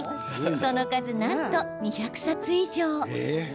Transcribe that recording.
その数、なんと２００冊以上。